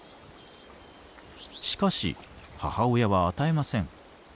しかし母親は与えません。